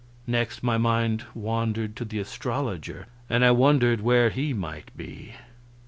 Next, my mind wandered to the astrologer, and I wondered where he might be.